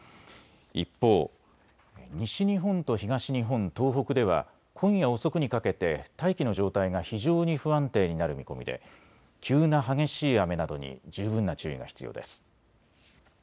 一方、西日本と東日本、東北では今夜遅くにかけて大気の状態が非常に不安定になる見込みで急な激しい雨などに十分な注意が必要です。